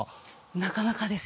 なかなかですよね。